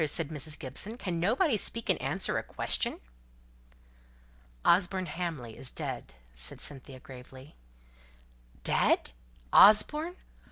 said Mrs. Gibson. "Can nobody speak and answer a question?" "Osborne Hamley is dead!" said Cynthia, gravely. "Dead! Osborne!